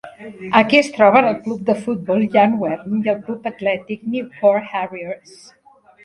Aquí es troben el club de futbol Llanwern i el club atlètic Newport Harriers.